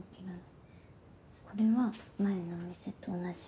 これは前のお店と同じ。